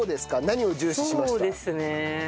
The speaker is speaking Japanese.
何を重視しました？